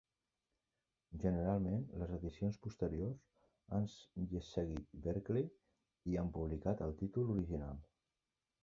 Generalment les edicions posteriors han seguit Berkeley i han publicat el títol original.